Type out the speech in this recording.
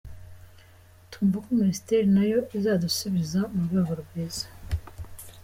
Twumva ko Minisiteri nayo izadusubiza mu rwego rwiza.